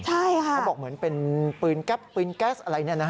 ใช่ค่ะเขาบอกเหมือนเป็นปืนแก๊ปปืนแก๊สอะไร